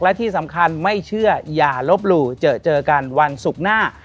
และที่สำคัญไม่เชื่ออย่าลบหลู่เจอเจอกันวันศุกร์หน้า